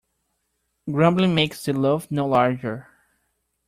Grumbling makes the loaf no larger.